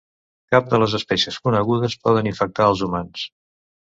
Cap de les espècies conegudes poden infectar els humans.